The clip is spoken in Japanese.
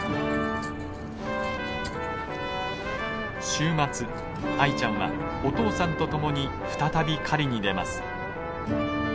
週末アイちゃんはお父さんと共に再び狩りに出ます。